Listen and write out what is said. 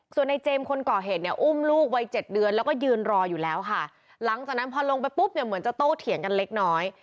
ส่วนในเจมส์คนก่อเหตุเนี่ยอุ้มลูกวัยเจ็ดเดือนแล้วก็ยืนรออยู่แล้วค่ะหลังจากนั้นพอลงไปปุ๊บเนี่ยเหมือนจะโต้เถียงกันเล็กน้อย